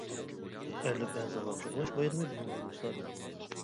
ئەرلىك ئەزاغا چوقۇنۇش بايرىمى بۇنىڭ بىر مىسالى.